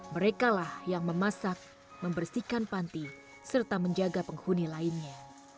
mereka lah yang memasak membersihkan panti serta menjaga penghuni lainnya